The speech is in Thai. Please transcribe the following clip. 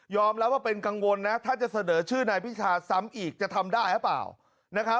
ยอมแล้วว่าเป็นกังวลนะถ้าจะเสดอชื่อนายพิทธาซ้ำอีกจะทำได้หรือเปล่า